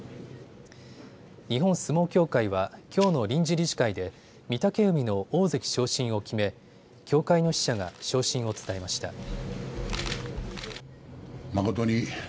日本相撲協会は、きょうの臨時理事会で御嶽海の大関昇進を決め協会の使者が昇進を伝えました。